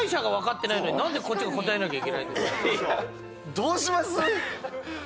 どうします？